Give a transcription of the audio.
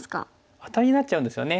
アタリになっちゃうんですよね。